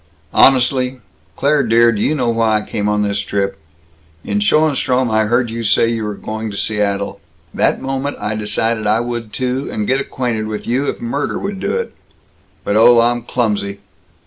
"Honestly? Claire dear, do you know why I came on this trip? In Schoenstrom, I heard you say you were going to Seattle. That moment, I decided I would, too, and get acquainted with you, if murder would do it. But, oh, I'm clumsy."